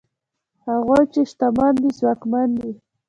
هغوی چې شتمن دي ځواکمن دي؛